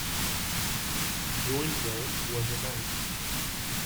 Joinville was a knight.